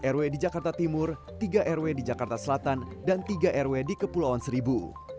rw di jakarta timur tiga rw di jakarta selatan dan tiga rw di kepulauan seribu